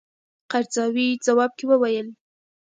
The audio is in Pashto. قرضاوي ځواب کې وویل.